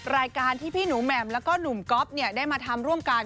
รายการที่พี่หนูแหม่มแล้วก็หนุ่มก๊อฟได้มาทำร่วมกัน